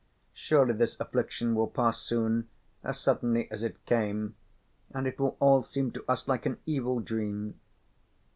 Surely this affliction will pass soon, as suddenly as it came, and it will all seem to us like an evil dream."